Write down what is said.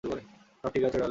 সব ঠিক আছে, ডার্লিং।